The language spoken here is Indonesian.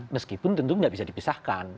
meskipun tentu tidak bisa dipisahkan